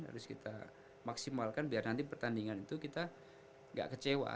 harus kita maksimalkan biar nanti pertandingan itu bisa berhasil ya kan